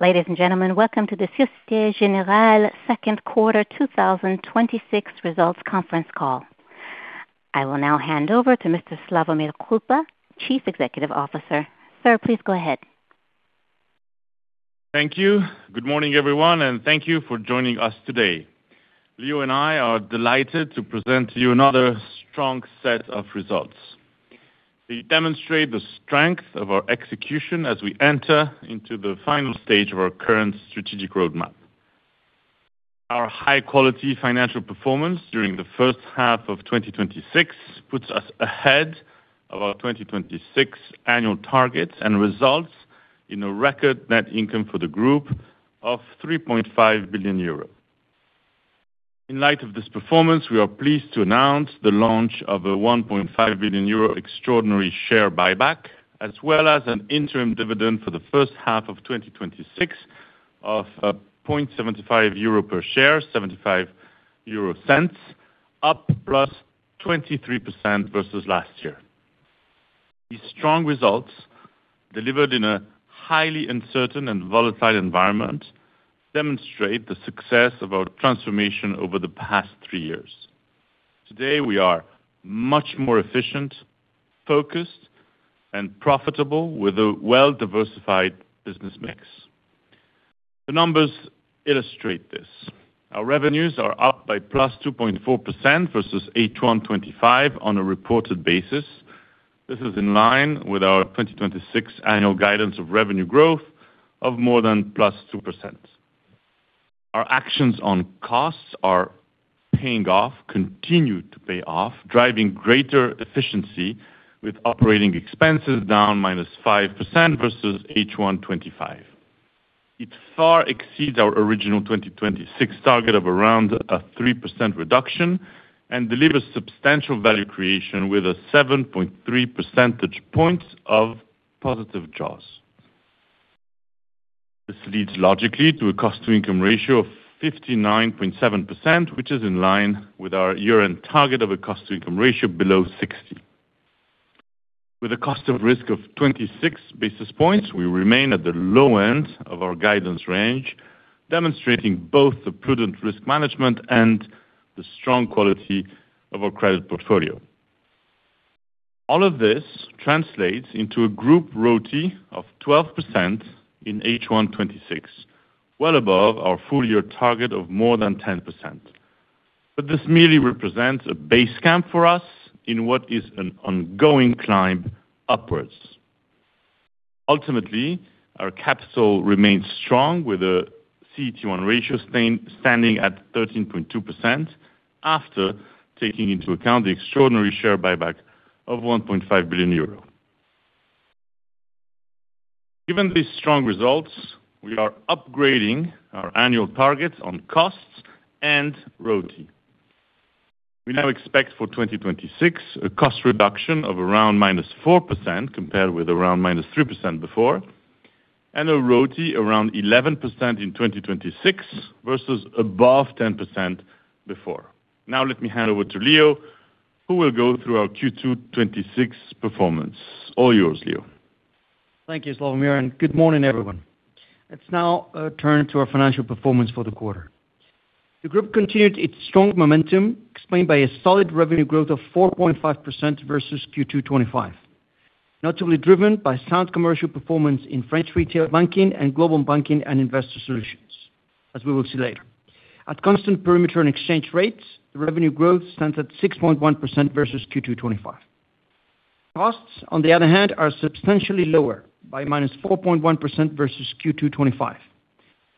Ladies and gentlemen, welcome to the Société Générale second quarter 2026 results conference call. I will now hand over to Mr. Slawomir Krupa, Chief Executive Officer. Sir, please go ahead. Thank you. Good morning, everyone, thank you for joining us today. Leo and I are delighted to present to you another strong set of results. We demonstrate the strength of our execution as we enter into the final stage of our current strategic roadmap. Our high-quality financial performance during the first half of 2026 puts us ahead of our 2026 annual targets and results in a record net income for the group of 3.5 billion euros. In light of this performance, we are pleased to announce the launch of a 1.5 billion euro extraordinary share buyback, as well as an interim dividend for the first half of 2026 of 0.75 euro per share, 0.75, up plus 23% versus last year. These strong results, delivered in a highly uncertain and volatile environment, demonstrate the success of our transformation over the past three years. Today, we are much more efficient, focused, and profitable with a well-diversified business mix. The numbers illustrate this. Our revenues are up by +2.4% versus H1 2025 on a reported basis. This is in line with our 2026 annual guidance of revenue growth of more than +2%. Our actions on costs are paying off, continue to pay off, driving greater efficiency with operating expenses down -5% versus H1 2025. It far exceeds our original 2026 target of around a 3% reduction and delivers substantial value creation with a 7.3 percentage points of positive jaws. This leads logically to a cost-to-income ratio of 59.7%, which is in line with our year-end target of a cost-to-income ratio below 60. With a cost of risk of 26 basis points, we remain at the low end of our guidance range, demonstrating both the prudent risk management and the strong quality of our credit portfolio. All of this translates into a group ROTE of 12% in H1 2026, well above our full-year target of more than 10%. This merely represents a base camp for us in what is an ongoing climb upwards. Ultimately, our capital remains strong with a CET1 ratio standing at 13.2% after taking into account the extraordinary share buyback of 1.5 billion euro. Given these strong results, we are upgrading our annual targets on costs and ROTE. We now expect for 2026 a cost reduction of around -4%, compared with around -3% before, and a ROTE around 11% in 2026 versus above 10% before. Let me hand over to Leo, who will go through our Q2 2026 performance. All yours, Leo. Thank you, Slawomir, and good morning, everyone. Let's now turn to our financial performance for the quarter. The group continued its strong momentum, explained by a solid revenue growth of 4.5% versus Q2 2025, notably driven by sound commercial performance in French Retail Banking and Global Banking and Investor Solutions, as we will see later. At constant perimeter and exchange rates, the revenue growth stands at 6.1% versus Q2 2025. Costs, on the other hand, are substantially lower by -4.1% versus Q2 2025,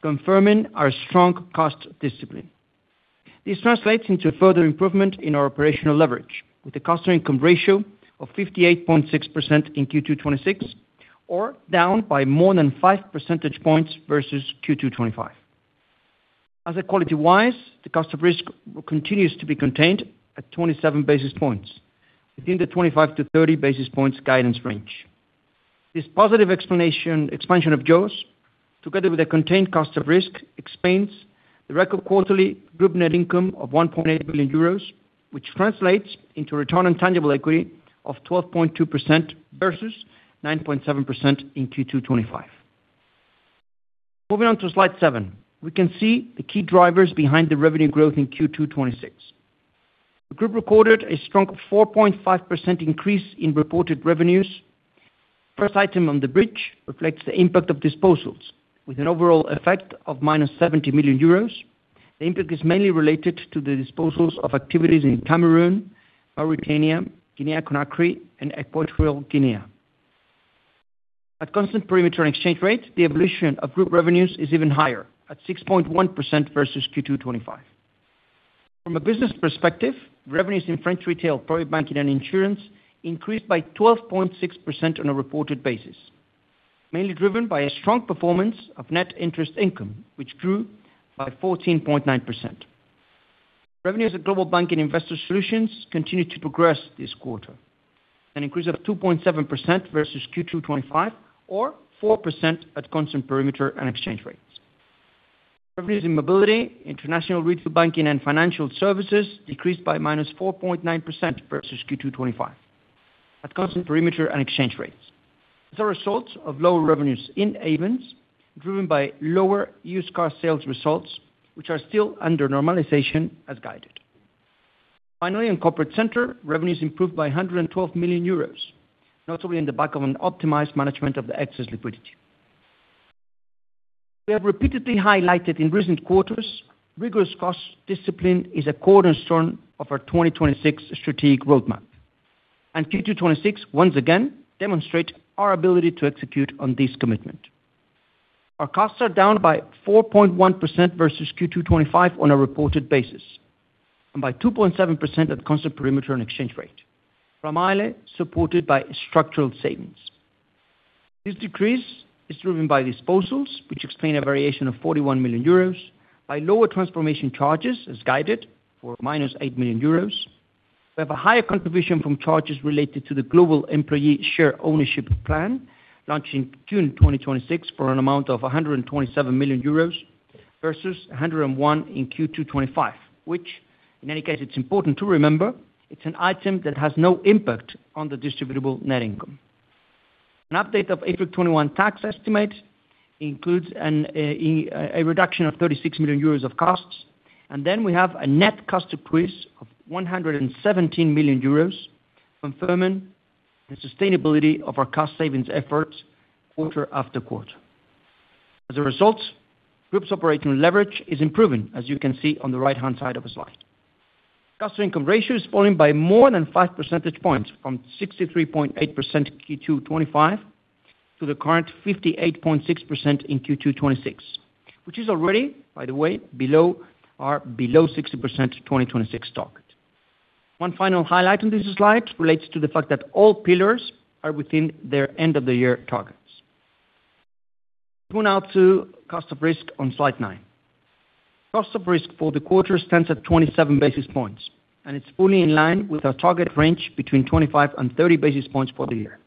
confirming our strong cost discipline. This translates into a further improvement in our operational leverage with a cost-to-income ratio of 58.6% in Q2 2026, or down by more than 5 percentage points versus Q2 2025. As for quality-wise, the cost of risk continues to be contained at 27 basis points within the 25-30 basis points guidance range. This positive expansion of jaws, together with a contained cost of risk, explains the record quarterly group net income of 1.8 billion euros, which translates into return on tangible equity of 12.2% versus 9.7% in Q2 2025. Moving on to slide seven. We can see the key drivers behind the revenue growth in Q2 2026. The group recorded a strong 4.5% increase in reported revenues. First item on the bridge reflects the impact of disposals with an overall effect of -70 million euros. The impact is mainly related to the disposals of activities in Cameroon, Mauritania, Guinea, Conakry, and Equatorial Guinea. At constant perimeter and exchange rates, the evolution of group revenues is even higher, at 6.1% versus Q2 2025. From a business perspective, revenues in French Retail, Private Banking and Insurance increased by 12.6% on a reported basis, mainly driven by a strong performance of net interest income, which grew by 14.9%. Revenues at Global Banking and Investor Solutions continued to progress this quarter, an increase of 2.7% versus Q2 2025 or 4% at constant perimeter and exchange rate. Revenues in Mobility, International Retail Banking & Financial Services decreased by -4.9% versus Q2 2025 at constant perimeter and exchange rates. As a result of lower revenues in Ayvens, driven by lower used car sales results, which are still under normalization as guided. Finally, on corporate center, revenues improved by 112 million euros, notably on the back of an optimized management of the excess liquidity. We have repeatedly highlighted in recent quarters, rigorous cost discipline is a cornerstone of our 2026 strategic roadmap. Q2 2026 once again demonstrate our ability to execute on this commitment. Our costs are down by 4.1% versus Q2 2025 on a reported basis, by 2.7% at constant perimeter and exchange rate, primarily supported by structural savings. This decrease is driven by disposals, which explain a variation of 41 million euros, by lower transformation charges as guided for -8 million euros. We have a higher contribution from charges related to the global employee share ownership plan, launched in June 2026 for an amount of 127 million euros versus 101 in Q2 2025, which in any case, it is important to remember, it is an item that has no impact on the distributable net income. An update of April 2021 tax estimate includes a reduction of 36 million euros of costs. Then we have a net cost increase of 117 million euros, confirming the sustainability of our cost savings efforts quarter after quarter. As a result, group's operating leverage is improving, as you can see on the right-hand side of the slide. Cost to income ratio is falling by more than 5 percentage points, from 63.8% in Q2 2025 to the current 58.6% in Q2 2026, which is already, by the way, below our below 60% 2026 target. One final highlight on this slide relates to the fact that all pillars are within their end-of-the-year targets. Moving on to cost of risk on slide nine. Cost of risk for the quarter stands at 27 basis points. It is fully in line with our target range between 25 and 30 basis points for the year.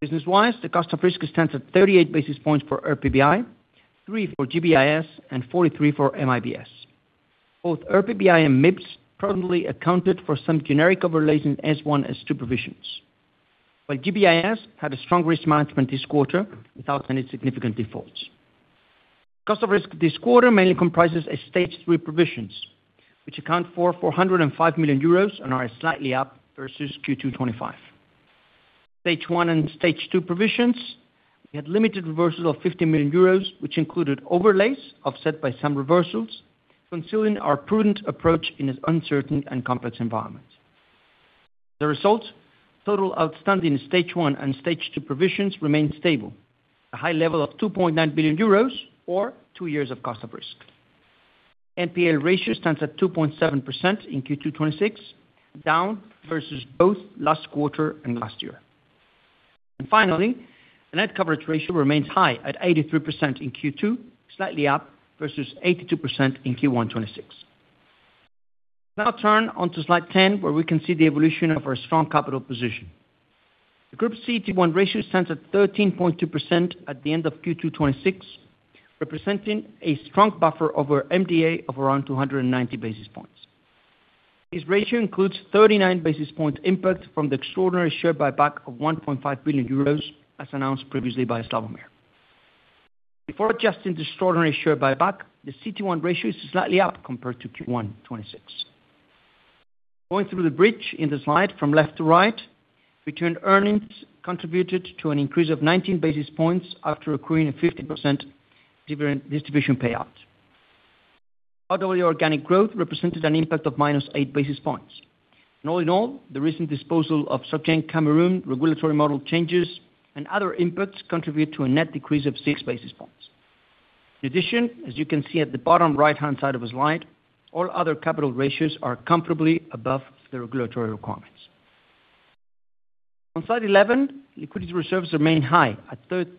Business-wise, the cost of risk stands at 38 basis points for RPBI, three for GBIS, and 43 for MIBS. Both RPBI and MIBS probably accounted for some generic overlays in S1, S2 provisions. While GBIS had a strong risk management this quarter without any significant defaults. Cost of risk this quarter mainly comprises a Stage 3 provisions, which account for 405 million euros and are slightly up versus Q2 2025. Stage 1 and Stage 2 provisions, we had limited reversals of 50 million euros, which included overlays offset by some reversals, concealing our prudent approach in this uncertain and complex environment. As a result, total outstanding Stage 1 and Stage 2 provisions remain stable, a high level of 2.9 billion euros or two years of cost of risk. NPA ratio stands at 2.7% in Q2 2026, down versus both last quarter and last year. Finally, the net coverage ratio remains high at 83% in Q2, slightly up versus 82% in Q1 2026. Now turn onto slide 10, where we can see the evolution of our strong capital position. The Group CET1 ratio stands at 13.2% at the end of Q2 2026, representing a strong buffer over MDA of around 290 basis points. This ratio includes 39 basis point impact from the extraordinary share buyback of 1.5 billion euros, as announced previously by Slawomir. Before adjusting the extraordinary share buyback, the CET1 ratio is slightly up compared to Q1 2026. Going through the bridge in the slide from left to right, between earnings contributed to an increase of 19 basis points after accruing a 15% distribution payout. RWA organic growth represented an impact of -8 basis points. All in all, the recent disposal of SG Cameroun regulatory model changes and other inputs contribute to a net decrease of 6 basis points. In addition, as you can see at the bottom right-hand side of the slide, all other capital ratios are comfortably above the regulatory requirements. On slide 11, liquidity reserves remain high at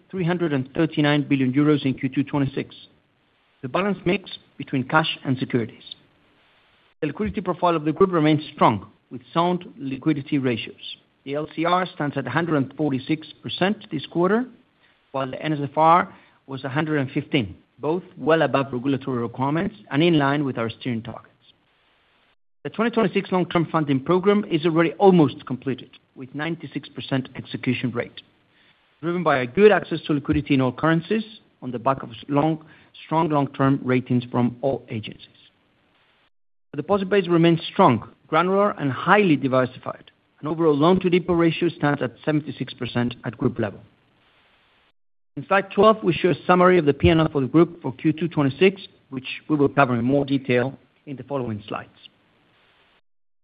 339 billion euros in Q2 2026. The balance mix between cash and securities. The liquidity profile of the group remains strong, with sound liquidity ratios. The LCR stands at 146% this quarter, while the NSFR was 115%, both well above regulatory requirements and in line with our steering targets. The 2026 long-term funding program is already almost completed, with 96% execution rate, driven by a good access to liquidity in all currencies on the back of strong long-term ratings from all agencies. Overall loan-to-deposit ratio stands at 76% at group level. In slide 12, we show a summary of the P&L for the group for Q2 2026, which we will cover in more detail in the following slides.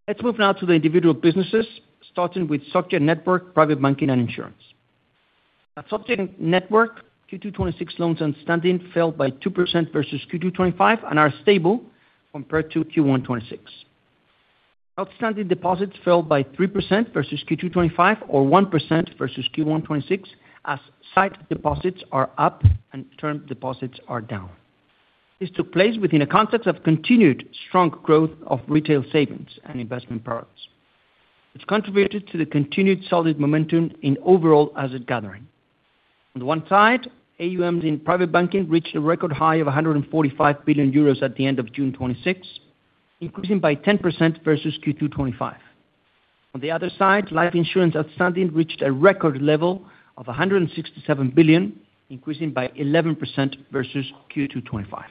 Let's move now to the individual businesses, starting with SG Network, Private Banking, and Insurance. At SG Network, Q2 2026 loans outstanding fell by 2% versus Q2 2025 and are stable compared to Q1 2026. Outstanding deposits fell by 3% versus Q2 2025 or 1% versus Q1 2026, as site deposits are up and term deposits are down. This took place within a context of continued strong growth of retail savings and investment products. It's contributed to the continued solid momentum in overall asset gathering. On the one side, AUMs in private banking reached a record high of 145 billion euros at the end of June 2026, increasing by 10% versus Q2 2025. On the other side, life insurance outstanding reached a record level of 167 billion, increasing by 11% versus Q2 2025.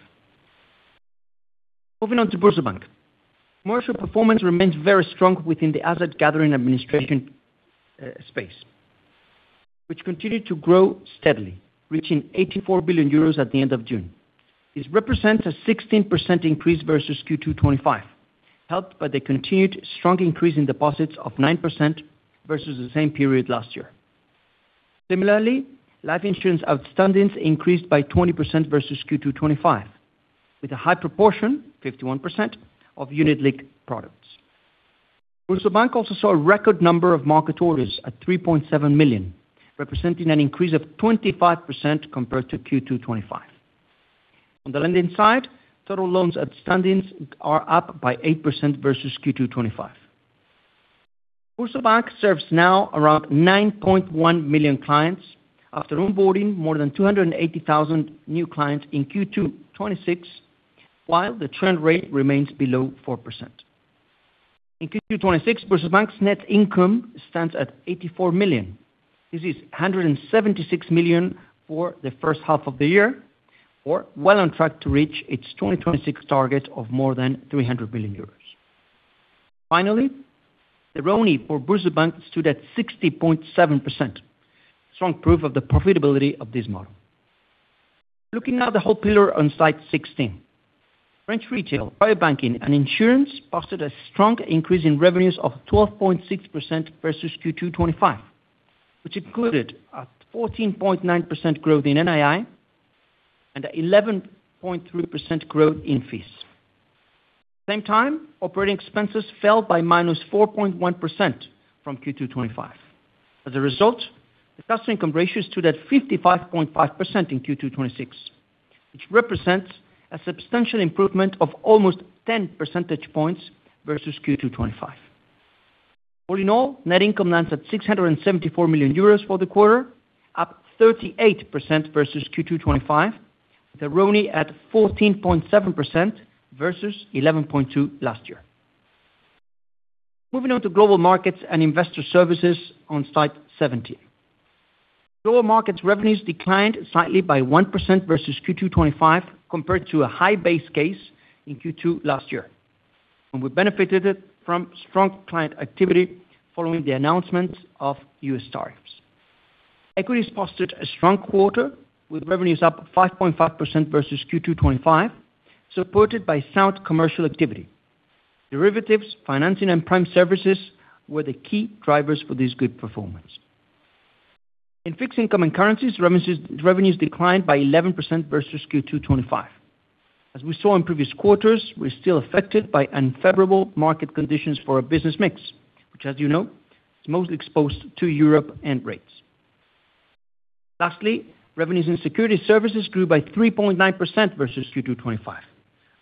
Moving on to BoursoBank. Merchant performance remains very strong within the asset gathering administration space, which continued to grow steadily, reaching 84 billion euros at the end of June. This represents a 16% increase versus Q2 2025, helped by the continued strong increase in deposits of 9% versus the same period last year. Similarly, life insurance outstandings increased by 20% versus Q2 2025, with a high proportion, 51%, of unit-linked products. BoursoBank also saw a record number of market orders at 3.7 million, representing an increase of 25% compared to Q2 2025. On the lending side, total loans outstandings are up by 8% versus Q2 2025. BoursoBank serves now around 9.1 million clients after onboarding more than 280,000 new clients in Q2 2026, while the trend rate remains below 4%. In Q2 2026, BoursoBank's net income stands at 84 million. This is 176 million for the first half of the year, or well on track to reach its 2026 target of more than 300 million euros. Finally, the RONE for BoursoBank stood at 60.7%, strong proof of the profitability of this model. Looking now at the whole pillar on slide 16. French Retail, Private Banking and Insurance posted a strong increase in revenues of 12.6% versus Q2 2025, which included a 14.9% growth in NII and 11.3% growth in fees. Same time, operating expenses fell by -4.1% from Q2 2025. As a result, the cost income ratio stood at 55.5% in Q2 2026, which represents a substantial improvement of almost 10 percentage points versus Q2 2025. All in all, net income lands at 674 million euros for the quarter, up 38% versus Q2 2025, with the ROE at 14.7% versus 11.2% last year. Moving on to global markets and investor services on slide 17. Global markets revenues declined slightly by 1% versus Q2 2025 compared to a high base case in Q2 last year. We benefited from strong client activity following the announcement of U.S. tariffs. Equities posted a strong quarter, with revenues up 5.5% versus Q2 2025, supported by sound commercial activity. Derivatives, financing, and prime services were the key drivers for this good performance. In fixed income and currencies, revenues declined by 11% versus Q2 2025. As we saw in previous quarters, we're still affected by unfavorable market conditions for a business mix, which as you know, is mostly exposed to Europe and rates. Revenues and security services grew by 3.9% versus Q2 2025,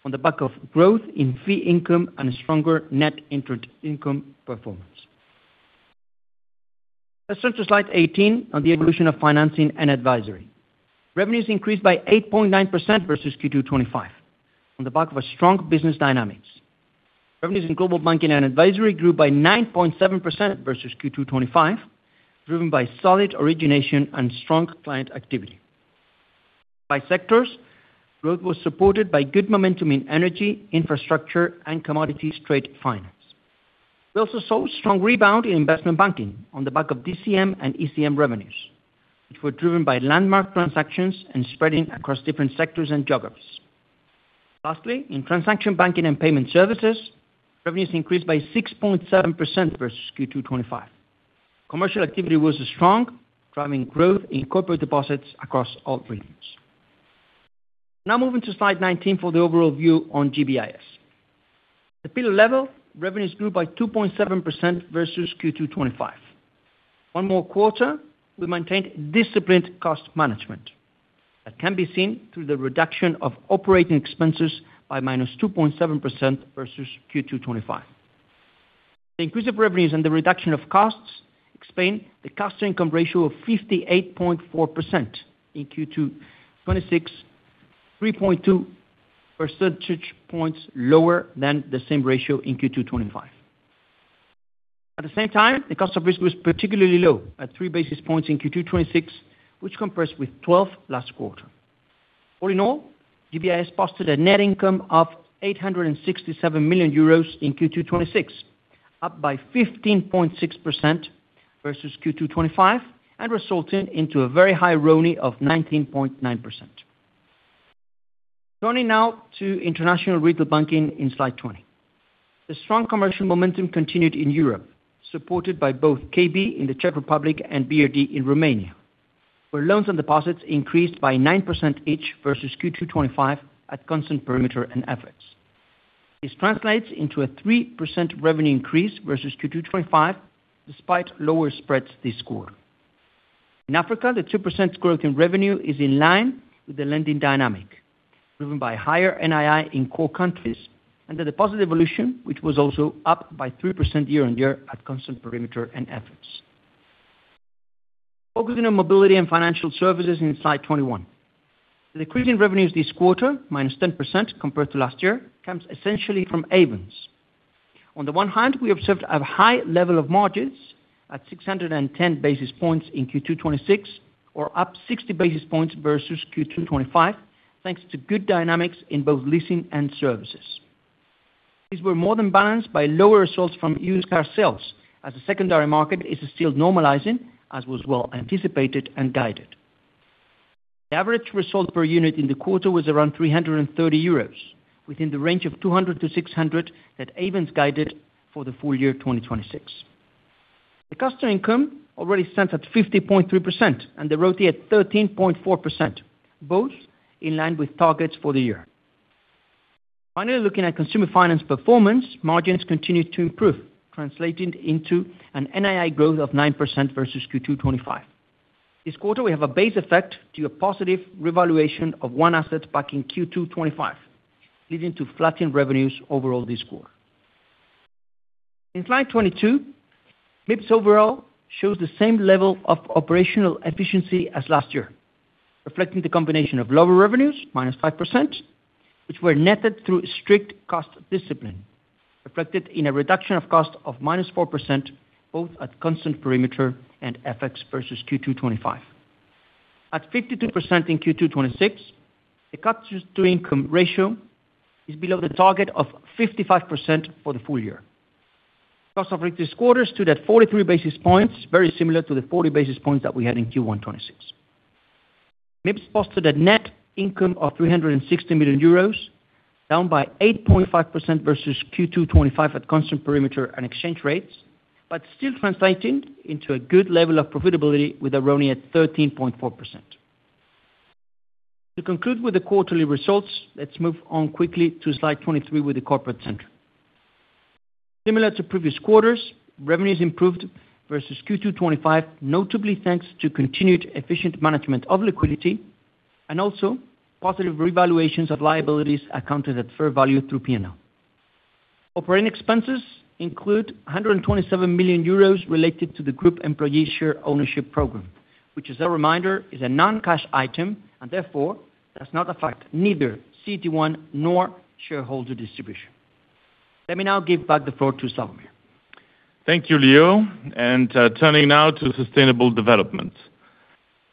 on the back of growth in fee income and stronger net interest income performance. Let's turn to slide 18 on the evolution of financing and advisory. Revenues increased by 8.9% versus Q2 2025 on the back of a strong business dynamics. Revenues in global banking and advisory grew by 9.7% versus Q2 2025, driven by solid origination and strong client activity. By sectors, growth was supported by good momentum in energy, infrastructure, and commodity trade finance. We also saw strong rebound in investment banking on the back of DCM and ECM revenues, which were driven by landmark transactions and spreading across different sectors and geographies. In transaction banking and payment services, revenues increased by 6.7% versus Q2 2025. Commercial activity was strong, driving growth in corporate deposits across all regions. Moving to slide 19 for the overall view on GBIS. At the pillar level, revenues grew by 2.7% versus Q2 2025. One more quarter, we maintained disciplined cost management. That can be seen through the reduction of operating expenses by -2.7% versus Q2 2025. The increase of revenues and the reduction of costs explain the cost-to-income ratio of 58.4% in Q2 2026, 3.2 percentage points lower than the same ratio in Q2 2025. At the same time, the cost of risk was particularly low at 3 basis points in Q2 2026, which compares with 12 basis points last quarter. All in all, GBIS posted a net income of 867 million euros in Q2 2026, up by 15.6% versus Q2 2025, and resulting into a very high ROE of 19.9%. Turning now to international retail banking in slide 20. The strong commercial momentum continued in Europe, supported by both KB in the Czech Republic and BRD in Romania, where loans and deposits increased by 9% each versus Q2 2025 at constant perimeter and efforts. This translates into a 3% revenue increase versus Q2 2025, despite lower spreads this quarter. In Africa, the 2% growth in revenue is in line with the lending dynamic, driven by higher NII in core countries and the deposit evolution, which was also up by 3% year-on-year at constant perimeter and efforts. Focusing on mobility and financial services in slide 21. The increase in revenues this quarter, -10% compared to last year, comes essentially from Ayvens. On the one hand, we observed a high level of margins at 610 basis points in Q2 2026, or up 60 basis points versus Q2 2025, thanks to good dynamics in both leasing and services. These were more than balanced by lower results from used car sales as the secondary market is still normalizing, as was well anticipated and guided. The average result per unit in the quarter was around 330 euros, within the range of 200-600 that Ayvens guided for the full year 2026. The customer income already stands at 50.3% and the ROTE at 13.4%, both in line with targets for the year. Finally, looking at consumer finance performance, margins continued to improve, translating into an NII growth of 9% versus Q2 2025. This quarter, we have a base effect due to positive revaluation of one asset back in Q2 2025, leading to flattened revenues overall this quarter. In slide 22, MIBS overall shows the same level of operational efficiency as last year, reflecting the combination of lower revenues, -5%, which were netted through strict cost discipline, reflected in a reduction of cost of -4%, both at constant perimeter and FX versus Q2 2025. At 52% in Q2 2026, the cost to income ratio is below the target of 55% for the full year. Cost offering this quarter stood at 43 basis points, very similar to the 40 basis points that we had in Q1 2026. MIBS posted a net income of 360 million euros, down by 8.5% versus Q2 2025 at constant perimeter and exchange rates, but still translating into a good level of profitability with a ROE at 13.4%. To conclude with the quarterly results, let's move on quickly to slide 23 with the corporate center. Similar to previous quarters, revenues improved versus Q2 2025, notably thanks to continued efficient management of liquidity and also positive revaluations of liabilities accounted at fair value through P&L. Operating expenses include 127 million euros related to the group employee share ownership program, which as a reminder, is a non-cash item and therefore does not affect neither CET1 nor shareholder distribution. Let me now give back the floor to Slawomir. Thank you, Leo. Turning now to sustainable development.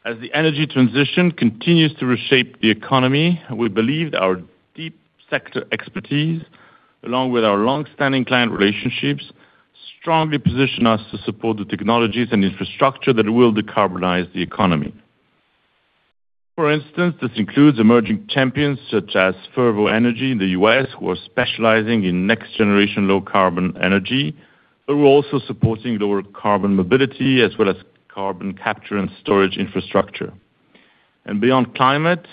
As the energy transition continues to reshape the economy, we believe that our deep sector expertise, along with our longstanding client relationships, strongly position us to support the technologies and infrastructure that will decarbonize the economy. For instance, this includes emerging champions such as Fervo Energy in the U.S., who are specializing in next-generation low-carbon energy, who are also supporting lower carbon mobility as well as carbon capture and storage infrastructure. Beyond climate,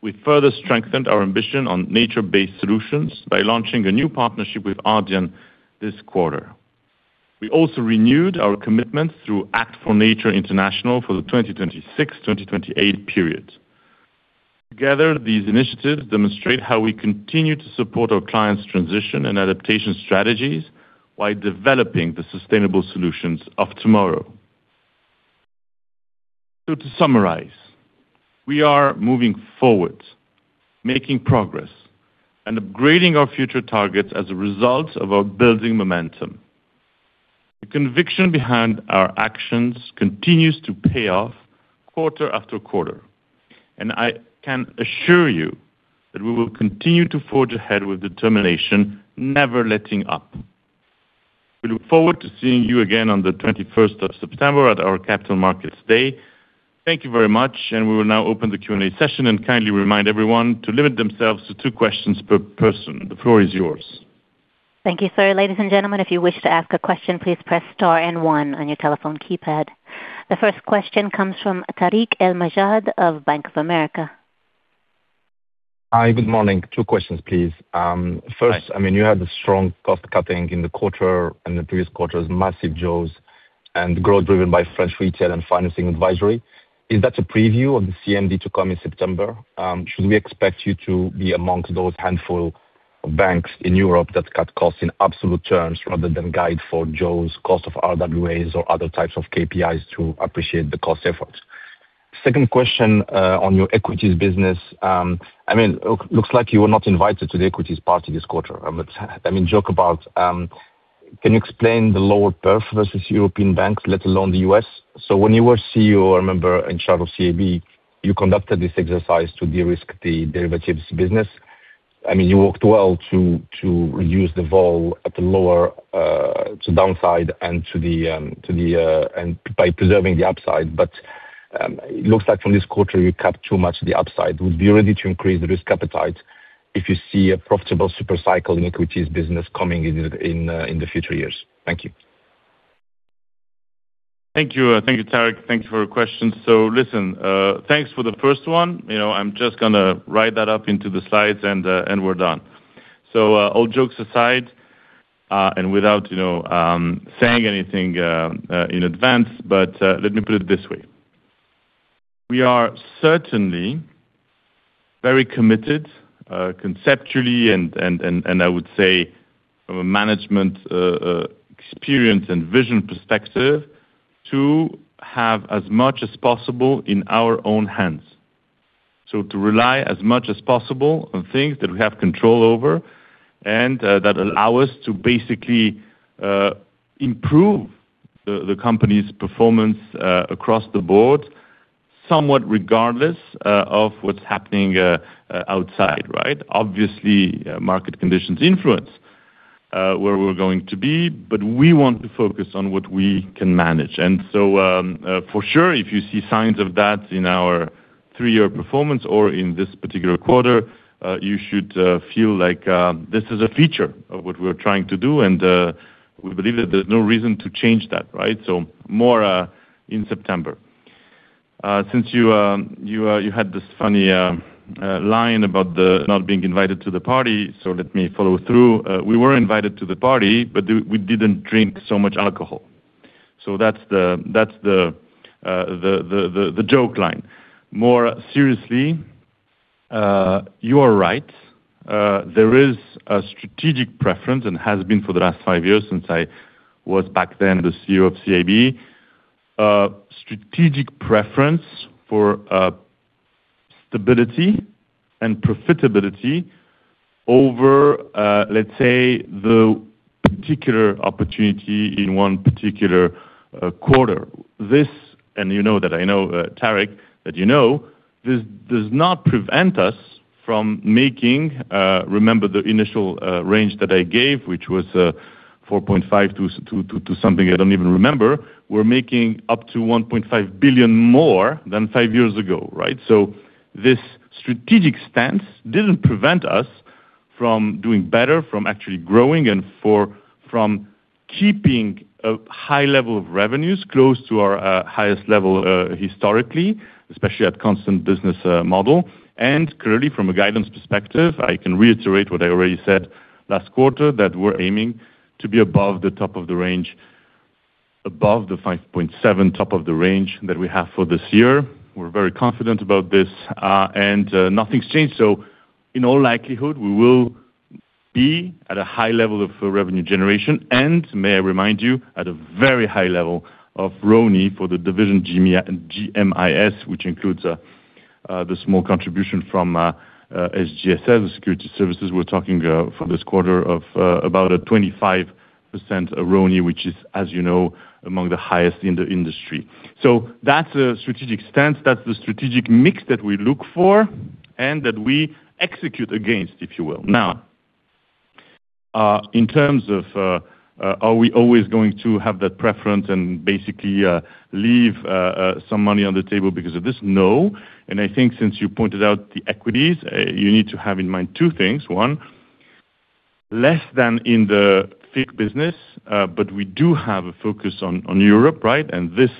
we further strengthened our ambition on nature-based solutions by launching a new partnership with Ardian this quarter. We also renewed our commitments through act4nature international for the 2026-2028 period. Together, these initiatives demonstrate how we continue to support our clients' transition and adaptation strategies while developing the sustainable solutions of tomorrow. To summarize, we are moving forward, making progress, and upgrading our future targets as a result of our building momentum. The conviction behind our actions continues to pay off quarter after quarter, and I can assure you that we will continue to forge ahead with determination, never letting up. We look forward to seeing you again on the 21st of September at our Capital Markets Day. Thank you very much, and we will now open the Q and A session and kindly remind everyone to limit themselves to two questions per person. The floor is yours. Thank you, sir. Ladies and gentlemen, if you wish to ask a question, please press star and one on your telephone keypad. The first question comes from Tarik El Mejjad of Bank of America. Hi. Good morning. Two questions, please. First, you had a strong cost cutting in the quarter and the previous quarters, massive jaws, and growth driven by French Retail and Financing Advisory. Is that a preview of the CMD to come in September? Should we expect you to be amongst those handful of banks in Europe that cut costs in absolute terms rather than guide for jaws, cost of RWAs or other types of KPIs to appreciate the cost efforts? Second question on your equities business. It looks like you were not invited to the equities party this quarter. Joke about, can you explain the lower perf versus European banks, let alone the U.S.? When you were CEO, I remember in charge of CIB, you conducted this exercise to de-risk the derivatives business. You worked well to reduce the vol at the lower to downside and by preserving the upside. It looks like from this quarter, you cut too much the upside. Would you be ready to increase the risk appetite if you see a profitable super cycle in equities business coming in the future years? Thank you. Thank you, Tarik. Thank you for your questions. Listen, thanks for the first one. I'm just going to write that up into the slides and we're done. All jokes aside. Without saying anything in advance, but let me put it this way. We are certainly very committed conceptually, and I would say from a management experience and vision perspective, to have as much as possible in our own hands. To rely as much as possible on things that we have control over and that allow us to basically improve the company's performance across the board, somewhat regardless of what's happening outside, right. Obviously, market conditions influence where we're going to be, but we want to focus on what we can manage. For sure, if you see signs of that in our three-year performance or in this particular quarter, you should feel like this is a feature of what we're trying to do, and we believe that there's no reason to change that. Right. More in September. Since you had this funny line about not being invited to the party, let me follow through. We were invited to the party, but we didn't drink so much alcohol. That's the joke line. More seriously, you are right. There is a strategic preference, and has been for the last five years since I was back then the CEO of CIB, a strategic preference for stability and profitability over, let's say, the particular opportunity in one particular quarter. This, and you know that I know, Tarik, that you know, this does not prevent us from making Remember the initial range that I gave, which was 4.5 to something I don't even remember. We're making up to 1.5 billion more than five years ago, right. This strategic stance didn't prevent us from doing better, from actually growing and from keeping a high level of revenues close to our highest level historically, especially at constant business model. Clearly from a guidance perspective, I can reiterate what I already said last quarter, that we're aiming to be above the top of the range, above the 5.7 top of the range that we have for this year. We're very confident about this, and nothing's changed. In all likelihood, we will be at a high level of revenue generation. May I remind you, at a very high level of RONE for the division GBIS, which includes the small contribution from SGSS, the security services. We're talking for this quarter of about a 25% RONE, which is, as you know, among the highest in the industry. That's a strategic stance, that's the strategic mix that we look for and that we execute against, if you will. In terms of are we always going to have that preference and basically leave some money on the table because of this? No. I think since you pointed out the equities, you need to have in mind two things. One, less than in the FICC business, but we do have a focus on Europe, right? This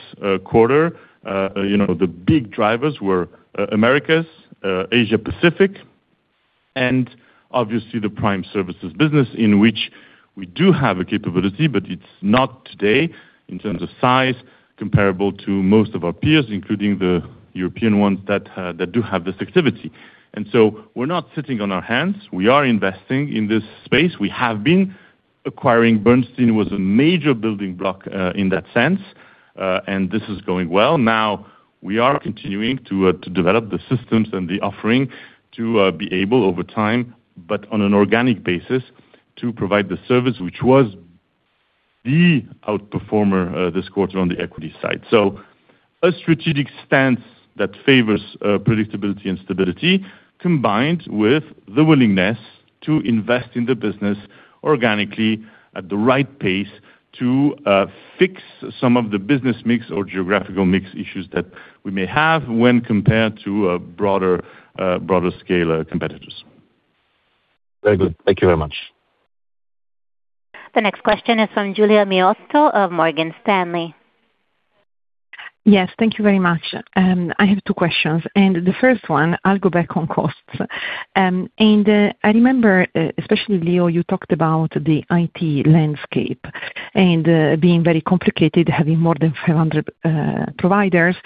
quarter, the big drivers were Americas, Asia Pacific, and obviously the Prime Services business in which we do have a capability, but it's not today in terms of size, comparable to most of our peers, including the European ones that do have this activity. We're not sitting on our hands. We are investing in this space. We have been acquiring Bernstein, was a major building block in that sense, and this is going well. We are continuing to develop the systems and the offering to be able over time, but on an organic basis, to provide the service, which was the outperformer this quarter on the equity side. A strategic stance that favors predictability and stability, combined with the willingness to invest in the business organically at the right pace to fix some of the business mix or geographical mix issues that we may have when compared to broader scale competitors. Very good. Thank you very much. The next question is from Giulia Miotto of Morgan Stanley. Yes. Thank you very much. I have two questions. The first one, I'll go back on costs. I remember, especially Leo, you talked about the IT landscape and being very complicated, having more than 500 providers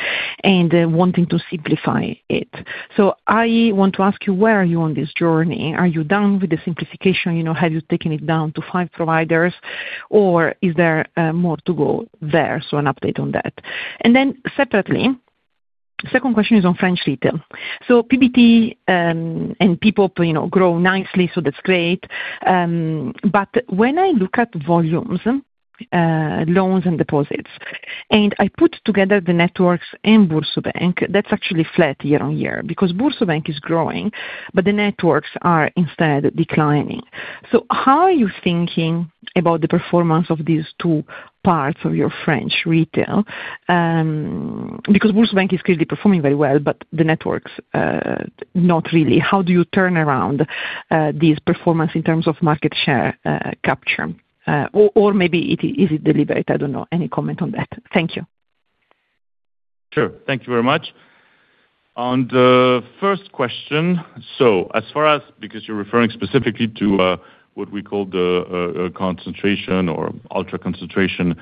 and wanting to simplify it. I want to ask you, where are you on this journey? Are you done with the simplification? Have you taken it down to five providers or is there more to go there? An update on that. Separately, second question is on French Retail. PBT and people grow nicely, that's great. When I look at volumes, loans, and deposits, and I put together the networks in BoursoBank, that's actually flat year-over-year because BoursoBank is growing, but the networks are instead declining. How are you thinking about the performance of these two parts of your French Retail? Because BoursoBank is clearly performing very well, but the networks, not really. How do you turn around this performance in terms of market share capture? Maybe it is deliberate, I don't know. Any comment on that? Thank you. Sure. Thank you very much. On the first question, because you're referring specifically to what we call the concentration or ultra concentration,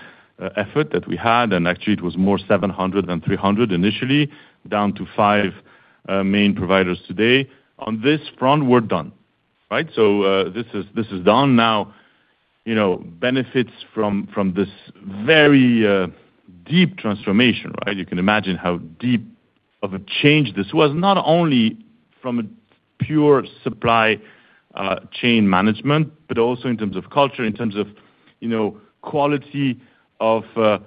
effort that we had, actually it was more 700 than 300 initially, down to five main providers today. On this front, we're done. This is done now, benefits from this very deep transformation. You can imagine how deep of a change this was, not only from a pure supply chain management, but also in terms of culture, in terms of quality of the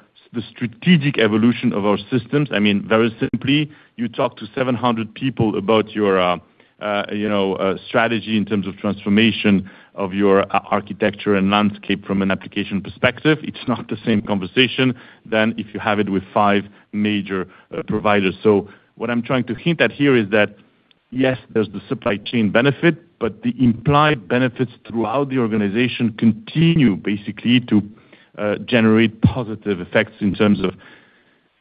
strategic evolution of our systems. Very simply, you talk to 700 people about your strategy in terms of transformation of your architecture and landscape from an application perspective. It's not the same conversation than if you have it with five major providers. What I'm trying to hint at here is that, yes, there's the supply chain benefit, but the implied benefits throughout the organization continue basically to generate positive effects in terms of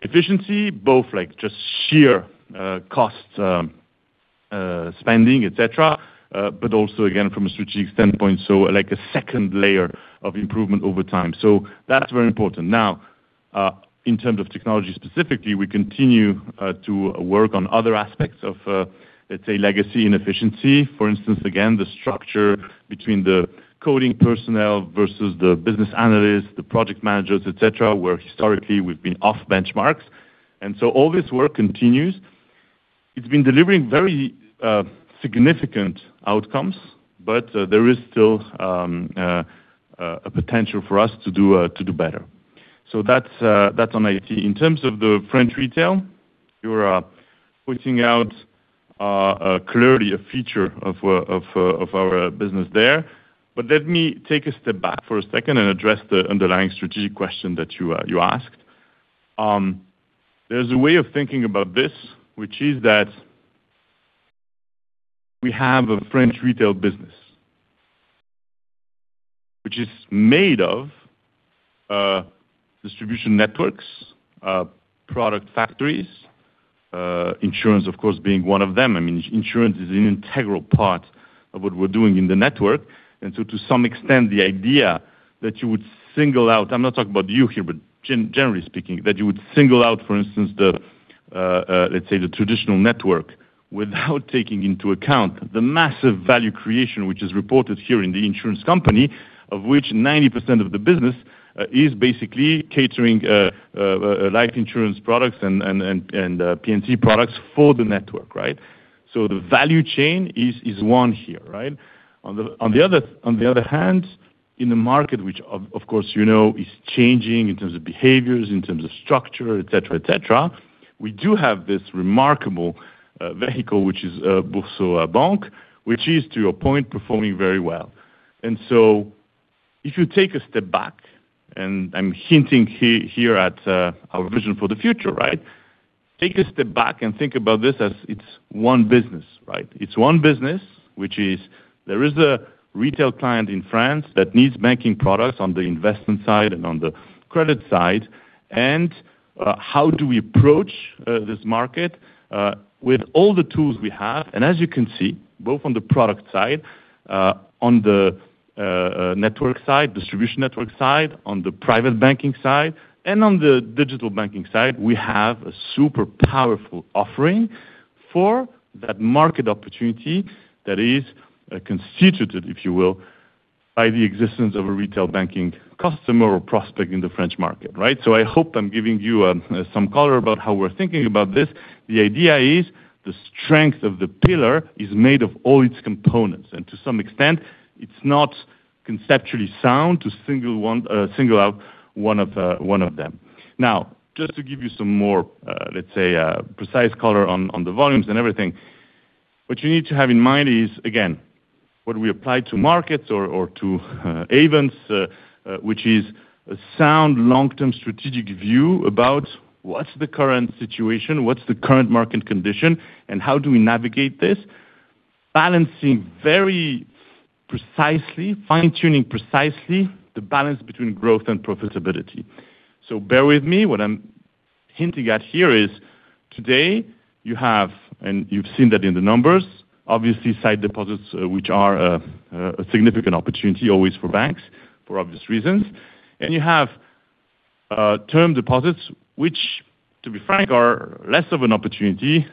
efficiency, both just sheer cost spending, et cetera, but also again, from a strategic standpoint, like a second layer of improvement over time. That's very important. Now, in terms of technology specifically, we continue to work on other aspects of, let's say, legacy and efficiency. For instance, again, the structure between the coding personnel versus the business analysts, the project managers, et cetera, where historically we've been off benchmarks. All this work continues. It's been delivering very significant outcomes, but there is still a potential for us to do better. That's on IT. In terms of the French Retail, you're pointing out clearly a feature of our business there. Let me take a step back for a second and address the underlying strategic question that you asked. There's a way of thinking about this, which is that we have a French Retail business, which is made of distribution networks, product factories, insurance, of course, being one of them. Insurance is an integral part of what we're doing in the network. To some extent, the idea that you would single out, I'm not talking about you here, but generally speaking, that you would single out, for instance, let's say, the traditional network, without taking into account the massive value creation, which is reported here in the insurance company, of which 90% of the business is basically catering life insurance products and P&C products for the network. The value chain is one here. On the other hand, in the market, which of course you know is changing in terms of behaviors, in terms of structure, et cetera. We do have this remarkable vehicle, which is BoursoBank, which is, to your point, performing very well. If you take a step back, and I'm hinting here at our vision for the future. Take a step back and think about this as it's one business. It's one business, which is there is a retail client in France that needs banking products on the investment side and on the credit side. How do we approach this market? With all the tools we have, and as you can see, both on the product side, on the network side, distribution network side, on the private banking side, and on the digital banking side, we have a super powerful offering for that market opportunity that is constituted, if you will, by the existence of a retail banking customer or prospect in the French market. I hope I'm giving you some color about how we're thinking about this. The idea is the strength of the pillar is made of all its components, and to some extent, it's not conceptually sound to single out one of them. Just to give you some more, let's say, precise color on the volumes and everything. What you need to have in mind is, again, what we apply to markets or to events, which is a sound, long-term strategic view about what's the current situation, what's the current market condition, and how do we navigate this, balancing very precisely, fine-tuning precisely the balance between growth and profitability. Bear with me. What I'm hinting at here is today you have, and you've seen that in the numbers, obviously, sight deposits, which are a significant opportunity always for banks, for obvious reasons. You have term deposits, which, to be frank, are less of an opportunity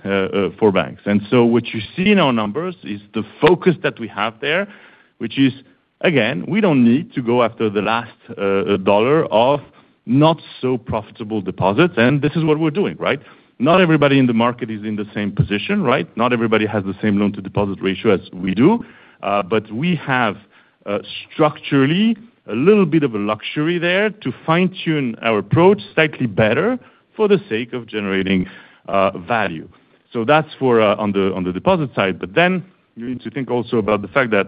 for banks. What you see in our numbers is the focus that we have there, which is, again, we don't need to go after the last dollar of not so profitable deposits, and this is what we're doing. Not everybody in the market is in the same position. Not everybody has the same loan-to-deposit ratio as we do. We have structurally a little bit of a luxury there to fine-tune our approach slightly better for the sake of generating value. That's on the deposit side. You need to think also about the fact that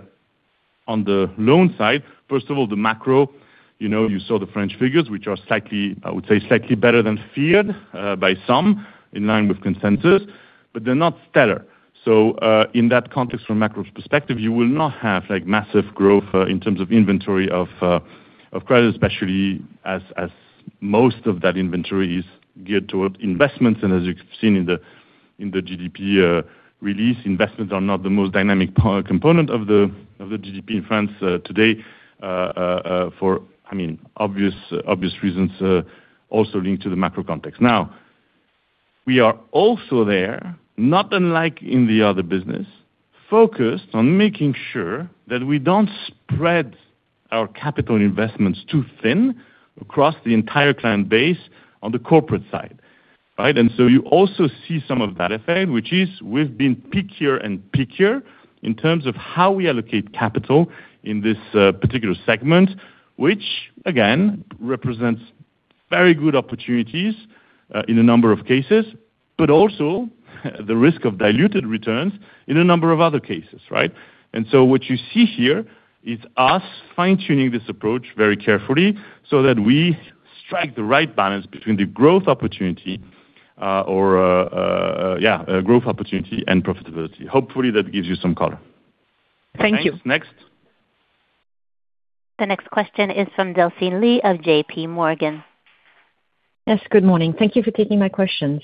on the loan side, first of all, the macro, you saw the French figures, which are, I would say, slightly better than feared by some, in line with consensus, but they're not stellar. In that context, from a macro perspective, you will not have massive growth in terms of inventory of credit, especially as most of that inventory is geared towards investments. As you've seen in the GDP release, investments are not the most dynamic component of the GDP in France today, for obvious reasons, also linked to the macro context. We are also there, not unlike in the other business, focused on making sure that we don't spread our capital investments too thin across the entire client base on the corporate side. Right? You also see some of that effect, which is we've been pickier and pickier in terms of how we allocate capital in this particular segment, which, again, represents very good opportunities in a number of cases, but also the risk of diluted returns in a number of other cases. Right? What you see here is us fine-tuning this approach very carefully so that we strike the right balance between the growth opportunity, and profitability. Hopefully, that gives you some color. Thank you. Thanks. Next. The next question is from Delphine Lee of JPMorgan. Yes, good morning. Thank you for taking my questions.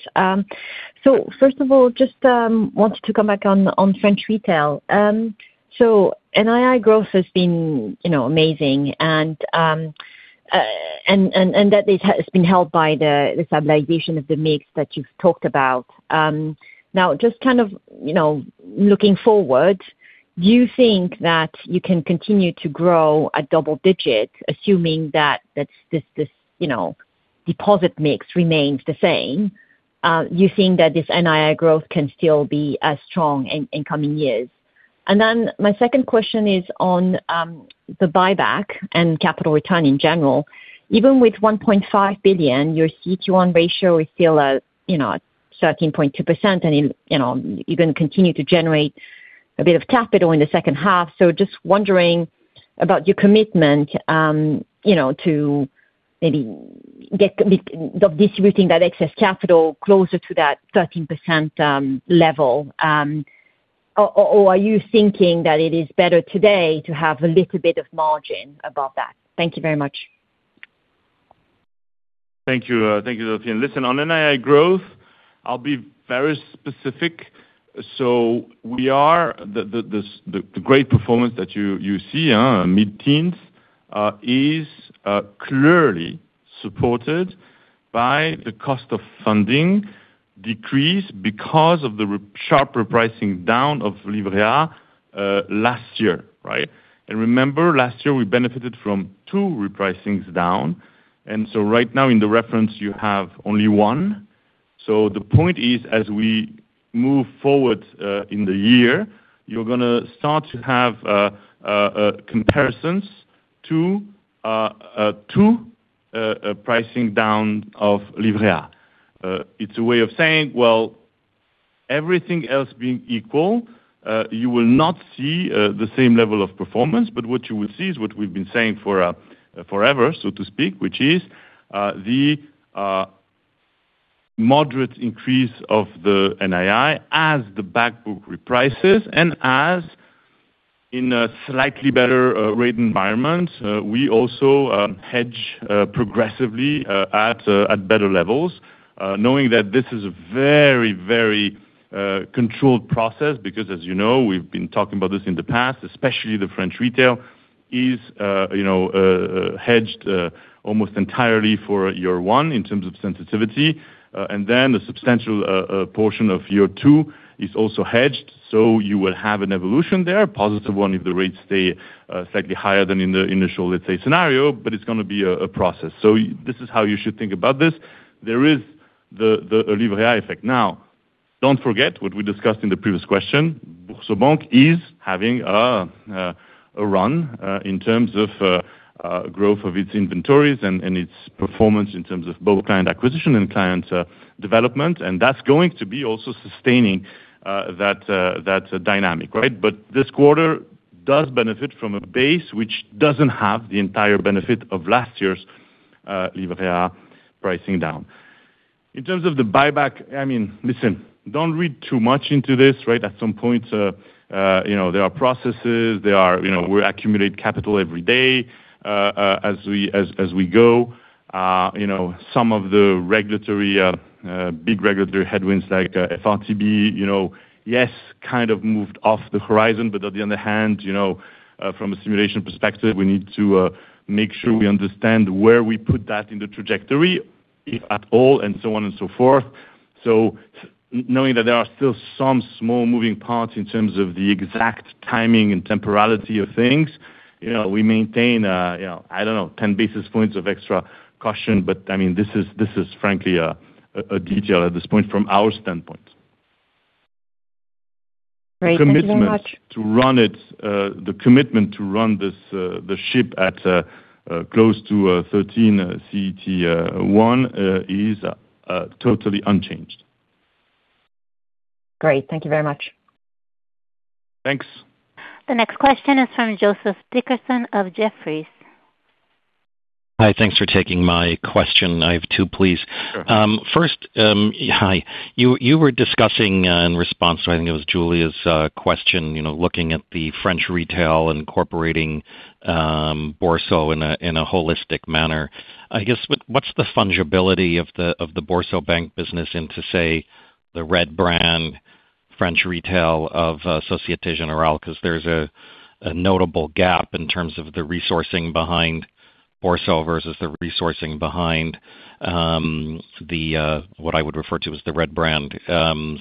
First of all, just wanted to come back on French Retail. NII growth has been amazing and that it's been helped by the stabilization of the mix that you've talked about. Now, just kind of looking forward, do you think that you can continue to grow at double digits, assuming that this deposit mix remains the same? Do you think that this NII growth can still be as strong in coming years? My second question is on the buyback and capital return in general. Even with 1.5 billion, your CET1 ratio is still at 13.2% and even continue to generate a bit of capital in the second half. Just wondering about your commitment of distributing that excess capital closer to that 13% level. Are you thinking that it is better today to have a little bit of margin above that? Thank you very much. Thank you, Delphine. Listen, on NII growth, I'll be very specific. The great performance that you see, mid-teens, is clearly supported by the cost of funding decrease because of the sharp repricing down of Livret A last year. Right? Remember, last year, we benefited from two repricings down, and right now in the reference, you have only one. The point is, as we move forward in the year, you're going to start to have comparisons to pricing down of Livret A. It's a way of saying, well, everything else being equal, you will not see the same level of performance, but what you will see is what we've been saying forever, so to speak, which is the moderate increase of the NII as the back book reprices, and as in a slightly better rate environment, we also hedge progressively at better levels, knowing that this is a very controlled process, because as you know, we've been talking about this in the past, especially the French Retail is hedged almost entirely for year one in terms of sensitivity. And then a substantial portion of year two is also hedged, so you will have an evolution there, a positive one if the rates stay slightly higher than in the initial, let's say, scenario, but it's going to be a process. This is how you should think about this. Don't forget what we discussed in the previous question. BoursoBank is having a run in terms of growth of its inventories and its performance in terms of both client acquisition and client development, and that's going to be also sustaining that dynamic. Right? But this quarter does benefit from a base which doesn't have the entire benefit of last year's Livret A pricing down. In terms of the buyback, listen, don't read too much into this. Right? At some point, there are processes. We accumulate capital every day as we go. Some of the big regulatory headwinds like FRTB, yes, kind of moved off the horizon. On the other hand, from a simulation perspective, we need to make sure we understand where we put that in the trajectory, if at all, and so on and so forth. Knowing that there are still some small moving parts in terms of the exact timing and temporality of things, we maintain, I don't know, 10 basis points of extra caution, but this is frankly a detail at this point from our standpoint. Great. Thank you very much. The commitment to run the ship at close to 13 CET1 is totally unchanged. Great. Thank you very much. Thanks. The next question is from Joseph Dickerson of Jefferies. Hi, thanks for taking my question. I have two, please. Sure. First, hi. You were discussing in response to, I think it was Giulia's question, looking at the French Retail incorporating Bourso in a holistic manner. I guess, what's the fungibility of the BoursoBank business into, say, the red brand French Retail of Société Générale? Because there's a notable gap in terms of the resourcing behind Bourso versus the resourcing behind what I would refer to as the red brand,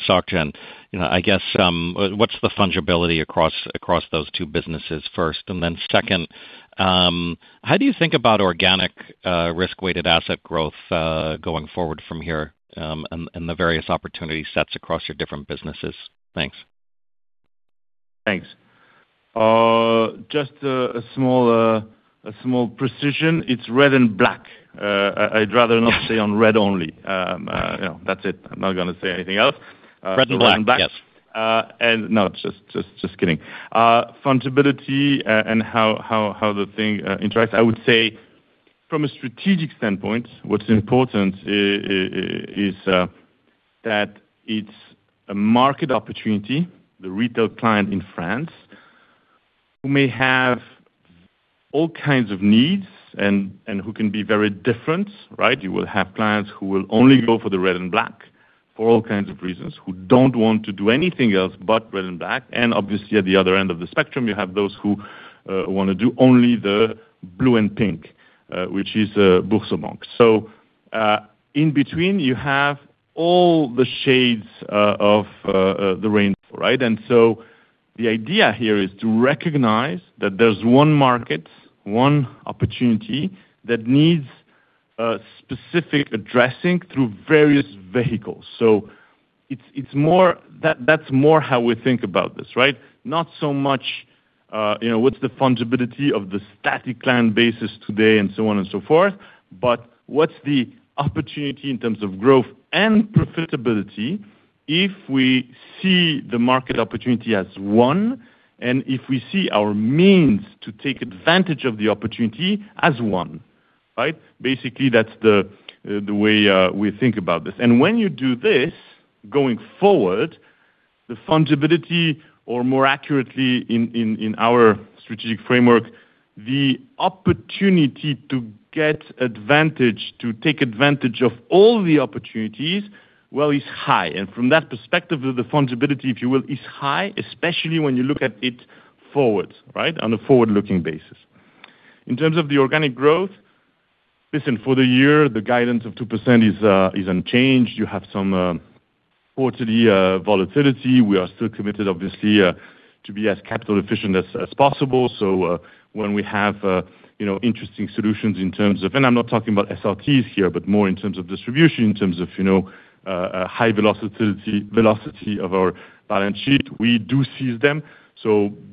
Soc Gen. I guess, what's the fungibility across those two businesses first, and then second, how do you think about organic risk-weighted asset growth going forward from here, and the various opportunity sets across your different businesses? Thanks. Thanks. Just a small precision, it's red and black. I'd rather not. Yeah. I would say on red only. That's it. I'm not going to say anything else. Red and black, yep. Red and black. No, just kidding. Fungibility and how the thing interacts, I would say from a strategic standpoint, what's important is that it's a market opportunity, the retail client in France, who may have all kinds of needs and who can be very different. You will have clients who will only go for the red and black for all kinds of reasons, who don't want to do anything else but red and black. Obviously, at the other end of the spectrum, you have those who want to do only the blue and pink, which is BoursoBank. In between, you have all the shades of the rainbow. The idea here is to recognize that there's one market, one opportunity that needs specific addressing through various vehicles. That's more how we think about this. Not so much what's the fungibility of the static plan basis today and so on and so forth, but what's the opportunity in terms of growth and profitability if we see the market opportunity as one, and if we see our means to take advantage of the opportunity as one. Basically, that's the way we think about this. When you do this, going forward, the fungibility, or more accurately in our strategic framework, the opportunity to get advantage, to take advantage of all the opportunities, well, is high. From that perspective of the fungibility, if you will, is high, especially when you look at it forwards, on a forward-looking basis. In terms of the organic growth, listen, for the year, the guidance of 2% is unchanged. You have some quarterly volatility. We are still committed, obviously, to be as capital efficient as possible. When we have interesting solutions in terms of, and I'm not talking about SRTs here, but more in terms of distribution, in terms of high velocity of our balance sheet, we do seize them.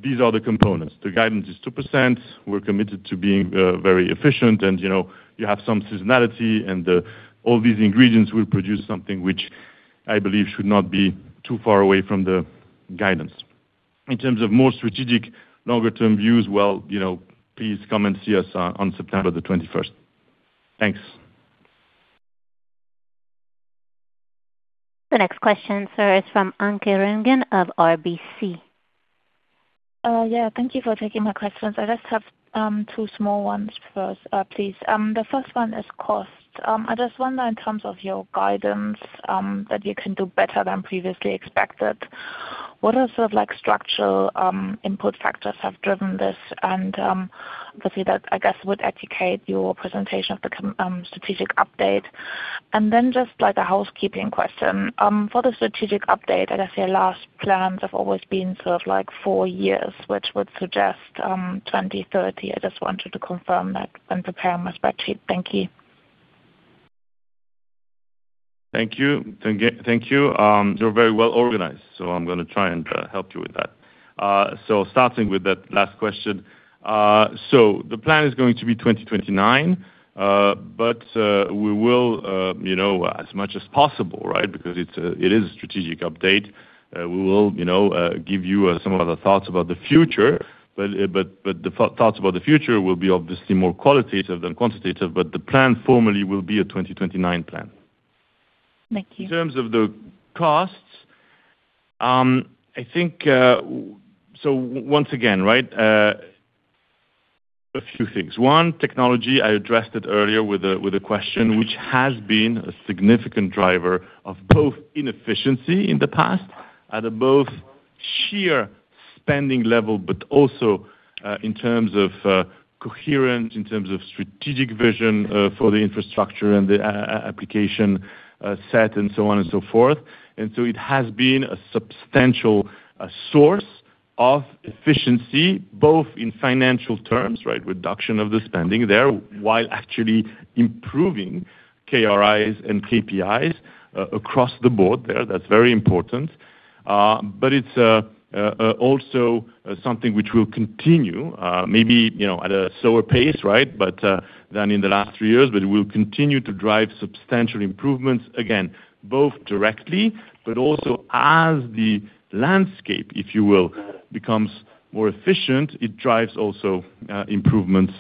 These are the components. The guidance is 2%. We're committed to being very efficient and you have some seasonality and all these ingredients will produce something which I believe should not be too far away from the guidance. In terms of more strategic longer-term views, well, please come and see us on September the 21st. Thanks. The next question, sir, is from Anke Reingen of RBC. Yeah. Thank you for taking my questions. I just have two small ones first, please. The first one is cost. I just wonder in terms of your guidance, that you can do better than previously expected. What are sort of structural input factors have driven this? Obviously that, I guess, would educate your presentation of the strategic update. Then just a housekeeping question. For the strategic update, I guess your last plans have always been sort of four years, which would suggest 2030. I just wanted to confirm that when preparing my spreadsheet. Thank you. Thank you. You're very well organized, I'm going to try and help you with that. Starting with that last question. The plan is going to be 2029, but we will, as much as possible, because it is a strategic update, we will give you some of the thoughts about the future. The thoughts about the future will be obviously more qualitative than quantitative, but the plan formally will be a 2029 plan. Thank you. In terms of the costs, I think, once again, a few things. One, technology, I addressed it earlier with a question, which has been a significant driver of both inefficiency in the past at a both sheer spending level, but also, in terms of coherence, in terms of strategic vision for the infrastructure and the application set and so on and so forth. It has been a substantial source of efficiency, both in financial terms, reduction of the spending there, while actually improving KRIs and KPIs across the board there. That's very important. It's also something which will continue, maybe at a slower pace than in the last three years, but it will continue to drive substantial improvements, again, both directly, but also as the landscape, if you will, becomes more efficient, it drives also improvements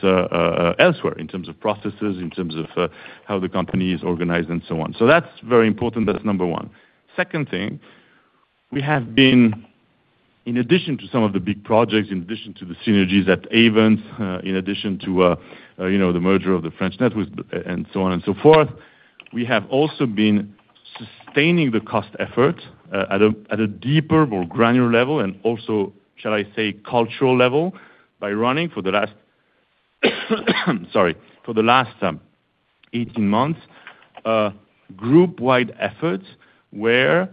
elsewhere in terms of processes, in terms of how the company is organized, and so on. That's very important. That's number one. Second thing, in addition to some of the big projects, in addition to the synergies at Ayvens, in addition to the merger of the French networks, and so on and so forth, we have also been sustaining the cost effort at a deeper, more granular level and also, shall I say, cultural level by running for the last, sorry, 18 months, group-wide efforts where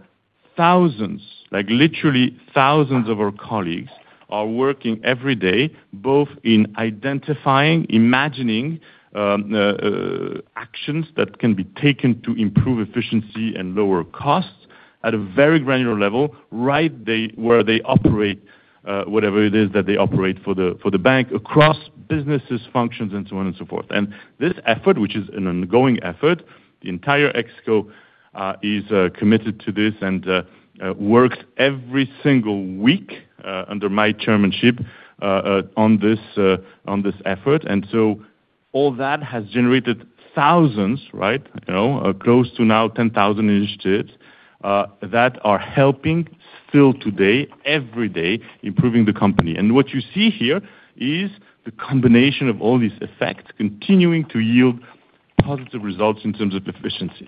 thousands, like literally thousands of our colleagues are working every day, both in identifying, imagining actions that can be taken to improve efficiency and lower costs at a very granular level where they operate whatever it is that they operate for the bank across businesses, functions, and so on and so forth. This effort, which is an ongoing effort, the entire ExCo is committed to this and works every single week under my chairmanship on this effort. All that has generated thousands, close to now 10,000 initiatives, that are helping still today, every day, improving the company. What you see here is the combination of all these effects continuing to yield positive results in terms of efficiency.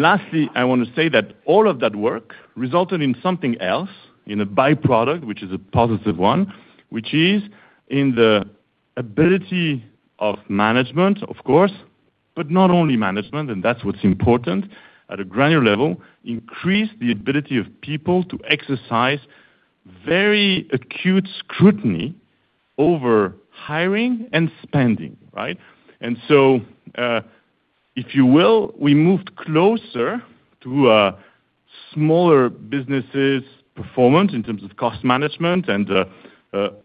Lastly, I want to say that all of that work resulted in something else, in a byproduct, which is a positive one, which is in the ability of management, of course, but not only management, and that's what's important, at a granular level, increase the ability of people to exercise very acute scrutiny over hiring and spending. If you will, we moved closer to a smaller businesses performance in terms of cost management and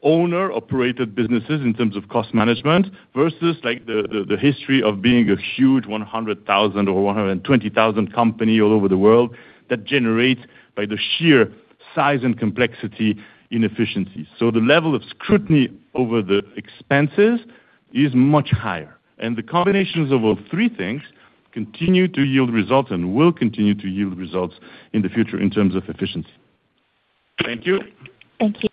owner-operated businesses in terms of cost management, versus the history of being a huge 100,000 or 120,000 company all over the world that generates, by the sheer size and complexity, inefficiencies. The level of scrutiny over the expenses is much higher. The combinations of all three things continue to yield results and will continue to yield results in the future in terms of efficiency. Thank you. Thank you.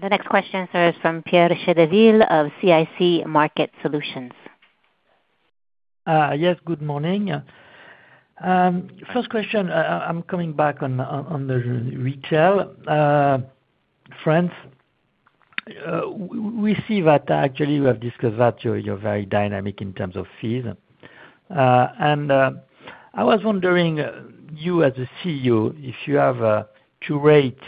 The next question, sir, is from Pierre Chédeville of CIC Market Solutions. Yes, good morning. First question, I'm coming back on the retail. France, we see that actually we have discussed that you're very dynamic in terms of fees. I was wondering, you as a CEO, if you have to rate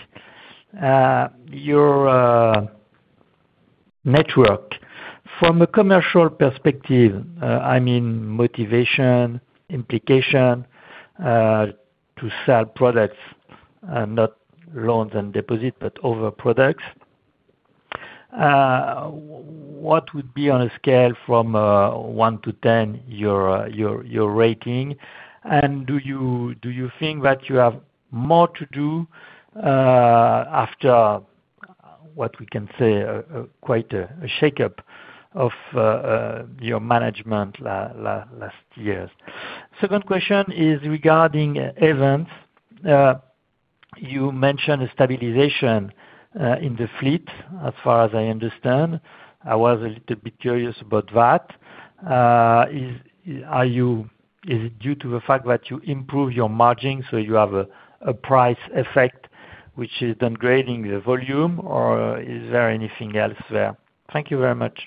your network from a commercial perspective, I mean, motivation, implication to sell products, not loans and deposits, but other products, what would be on a scale from one to 10 your rating, and do you think that you have more to do after, what we can say, quite a shakeup of your management last years? Second question is regarding Ayvens. You mentioned a stabilization in the fleet, as far as I understand. I was a little bit curious about that. Is it due to the fact that you improve your margin, so you have a price effect, which is downgrading the volume, or is there anything else there? Thank you very much.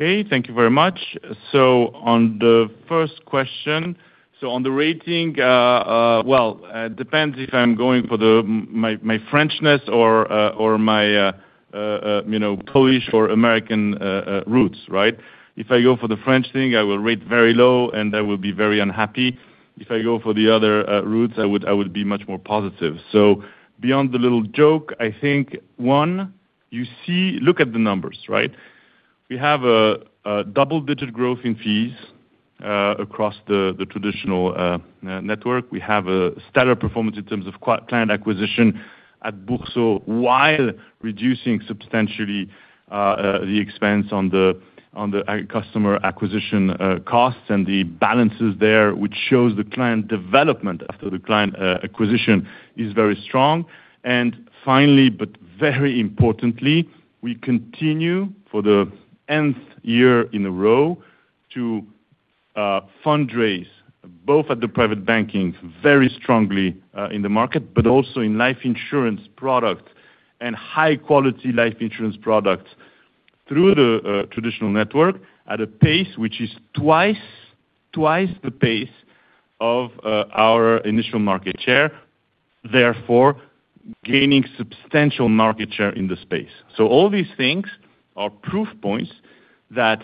Okay, thank you very much. On the first question, on the rating, well, it depends if I'm going for my Frenchness or my Polish or American roots, right? If I go for the French thing, I will rate very low, and I will be very unhappy. If I go for the other roots, I would be much more positive. Beyond the little joke, I think, one, look at the numbers. We have a double-digit growth in fees across the traditional network. We have a stellar performance in terms of client acquisition at Bourso while reducing substantially the expense on the customer acquisition costs and the balances there, which shows the client development after the client acquisition is very strong. Finally, but very importantly, we continue for the Nth year in a row to fundraise, both at the private banking, very strongly in the market, but also in life insurance product and high-quality life insurance product through the traditional network at a pace which is twice the pace of our initial market share. Therefore, gaining substantial market share in the space. All these things are proof points that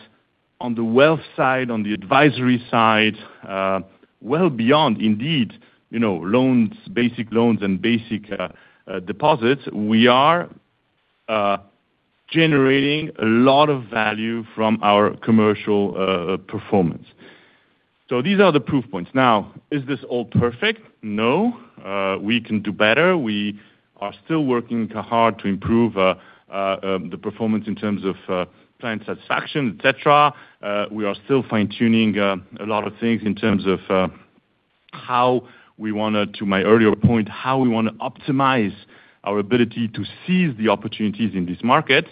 on the wealth side, on the advisory side, well beyond indeed, basic loans and basic deposits, we are generating a lot of value from our commercial performance. These are the proof points. Now, is this all perfect? No, we can do better. We are still working hard to improve the performance in terms of client satisfaction, et cetera. We are still fine-tuning a lot of things in terms of how we want, to my earlier point, how we want to optimize our ability to seize the opportunities in this market.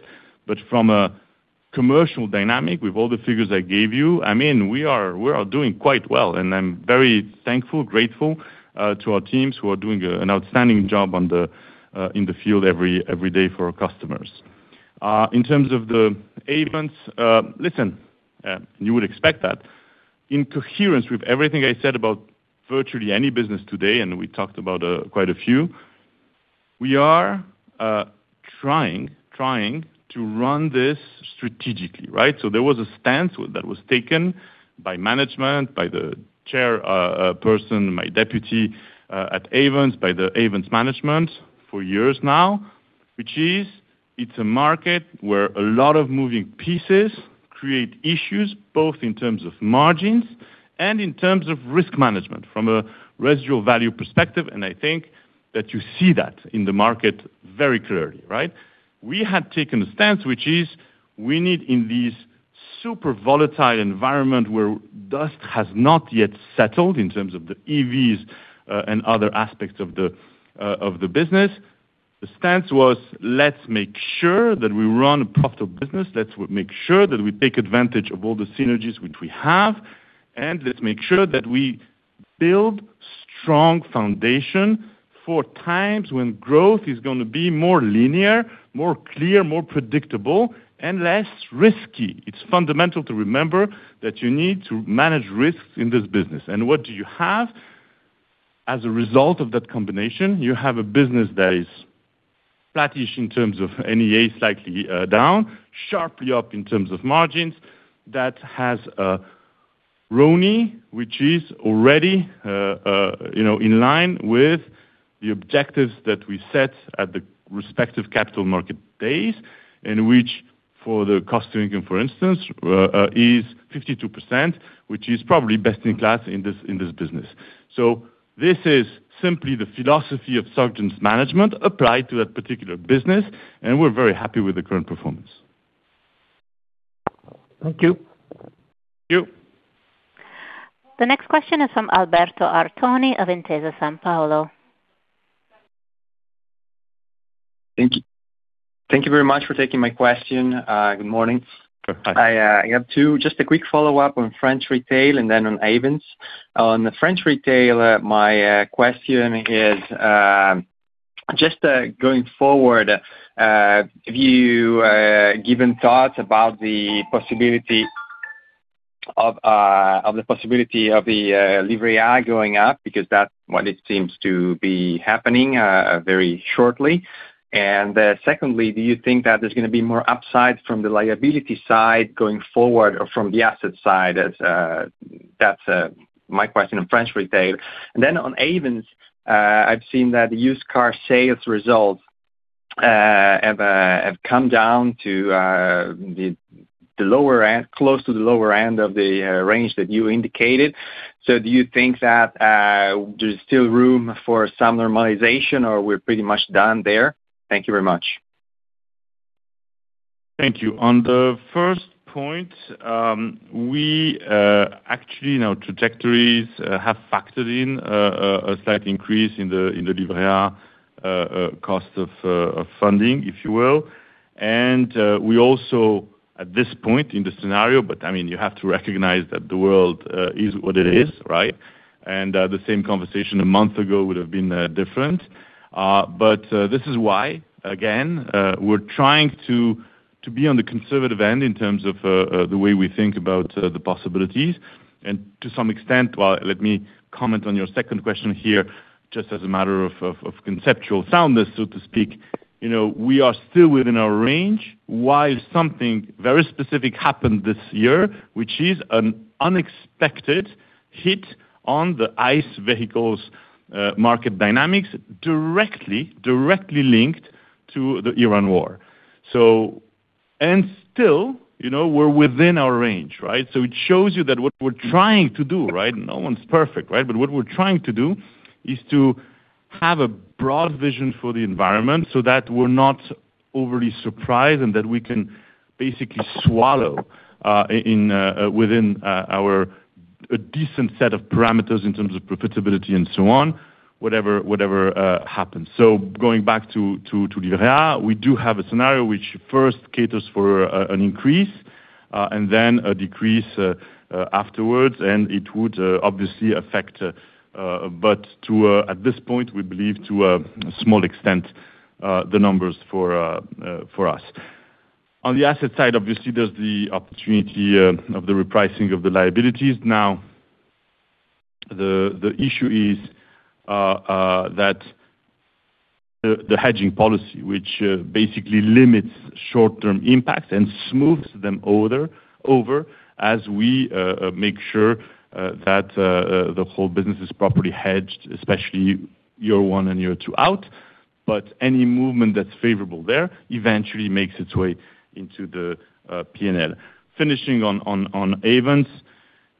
From a commercial dynamic, with all the figures I gave you, we are doing quite well, and I'm very thankful, grateful to our teams who are doing an outstanding job in the field every day for our customers. In terms of the Ayvens, listen, you would expect that in coherence with everything I said about virtually any business today, and we talked about quite a few, we are trying to run this strategically. There was a stance that was taken by management, by the chairperson, my deputy at Ayvens, by the Ayvens management for years now, which is, it's a market where a lot of moving pieces create issues, both in terms of margins and in terms of risk management from a residual value perspective, and I think that you see that in the market very clearly. We had taken a stance, which is we need in this super volatile environment where dust has not yet settled in terms of the EVs, and other aspects of the business. The stance was, let's make sure that we run a profitable business, let's make sure that we take advantage of all the synergies which we have, and let's make sure that we build strong foundation for times when growth is going to be more linear, more clear, more predictable, and less risky. It's fundamental to remember that you need to manage risks in this business. What do you have as a result of that combination? You have a business that is flattish in terms of NAE, slightly down, sharply up in terms of margins, that has a RONE, which is already in line with the objectives that we set at the respective Capital Market Days, and which for the cost to income, for instance, is 52%, which is probably best in class in this business. This is simply the philosophy of Soc Gen's management applied to that particular business, and we're very happy with the current performance. Thank you. Thank you. The next question is from Alberto Artoni of Intesa Sanpaolo. Thank you. Thank you very much for taking my question. Good morning. Hi. I have two. Just a quick follow-up on French Retail and then on Ayvens. On the French Retail, my question is, just going forward, have you given thoughts about the possibility of the Livret A going up? Because that's what it seems to be happening, very shortly. Secondly, do you think that there's going to be more upside from the liability side going forward or from the asset side? That's my question on French Retail. Then on Ayvens, I've seen that used car sales results have come down close to the lower end of the range that you indicated. Do you think that there's still room for some normalization or we're pretty much done there? Thank you very much. Thank you. On the first point, actually, our trajectories have factored in a slight increase in the Livret A cost of funding, if you will. We also, at this point in the scenario, you have to recognize that the world is what it is. The same conversation a month ago would have been different. This is why, again, we're trying to be on the conservative end in terms of the way we think about the possibilities. To some extent, well, let me comment on your second question here, just as a matter of conceptual soundness, so to speak. We are still within our range. While something very specific happened this year, which is an unexpected hit on the ICE vehicles market dynamics directly linked to the Iran war. Still, we're within our range. It shows you that what we are trying to do, no one's perfect, but what we are trying to do is to have a broad vision for the environment so that we are not overly surprised, and that we can basically swallow within a decent set of parameters in terms of profitability and so on, whatever happens. Going back to Livret A, we do have a scenario which first caters for an increase, and then a decrease afterwards, and it would obviously affect, but at this point, we believe to a small extent, the numbers for us. On the asset side, obviously, there is the opportunity of the repricing of the liabilities. The issue is that the hedging policy, which basically limits short-term impacts and smooths them over as we make sure that the whole business is properly hedged, especially year one and year two out. Any movement that's favorable there eventually makes its way into the P&L. Finishing on Ayvens.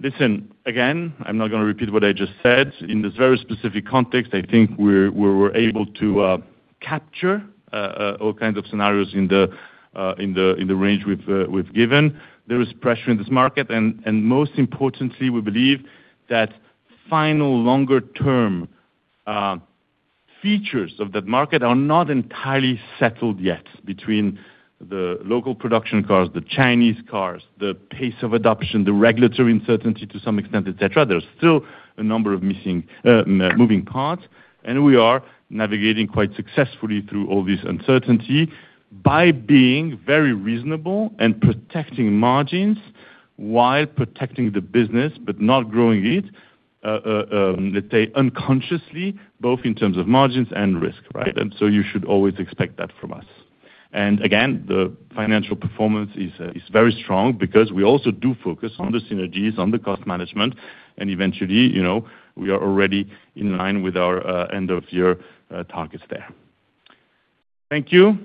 Listen, again, I'm not going to repeat what I just said. In this very specific context, I think we were able to capture all kinds of scenarios in the range we've given. There is pressure in this market, and most importantly, we believe that final longer-term features of that market are not entirely settled yet between the local production cars, the Chinese cars, the pace of adoption, the regulatory uncertainty to some extent, et cetera. There's still a number of moving parts, and we are navigating quite successfully through all this uncertainty by being very reasonable and protecting margins while protecting the business, but not growing it, let's say, unconsciously, both in terms of margins and risk, right? You should always expect that from us. Again, the financial performance is very strong because we also do focus on the synergies, on the cost management, and eventually, we are already in line with our end of year targets there. Thank you.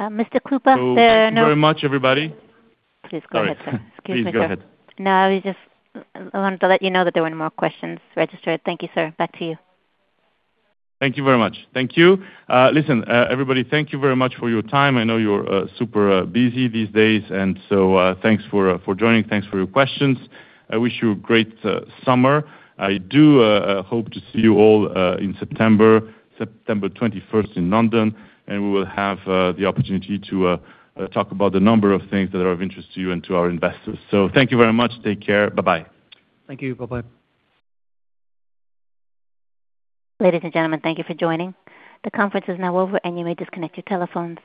Mr. Krupa, there are no- Thank you very much, everybody. Please go ahead, sir. Sorry. Please go ahead. Excuse me, sir. No, I wanted to let you know that there were no more questions registered. Thank you, sir. Back to you. Thank you very much. Thank you. Listen, everybody, thank you very much for your time. I know you're super busy these days, thanks for joining. Thanks for your questions. I wish you a great summer. I do hope to see you all in September 21st in London. We will have the opportunity to talk about the number of things that are of interest to you and to our investors. Thank you very much. Take care. Bye-bye. Thank you. Bye-bye. Ladies and gentlemen, thank you for joining. The conference is now over. You may disconnect your telephones.